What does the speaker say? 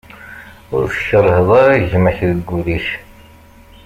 Ur tkeṛṛheḍ ara gma-k deg wul-ik.